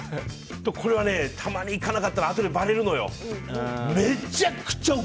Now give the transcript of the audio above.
これはたまに行かなかったらあとで、ばれるのよ。